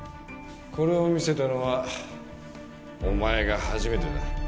これを見せたのはお前が初めてだ。